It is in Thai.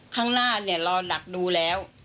ข้างหน้าเนี่ยรอหนักดูแล้ว